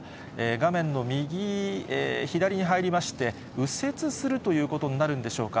画面の右、左に入りまして、右折するということになるんでしょうか。